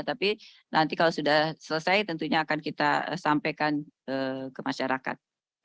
tapi nanti kalau sudah selesai tentunya akan kita sampaikan ke masyarakat